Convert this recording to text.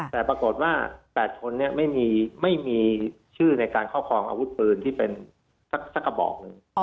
แต่ปรากฏว่า๘คนนี้ไม่มีชื่อในการครอบครองอาวุธปืนที่เป็นสักกระบอกหนึ่ง